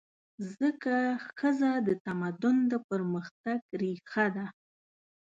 ځکه ښځه د تمدن د پرمختګ ریښه ده.